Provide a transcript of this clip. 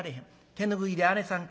手拭いであねさん